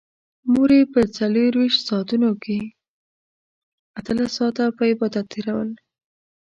مور يې په څلرويشت ساعتونو کې اتلس ساعته په عبادت تېرول.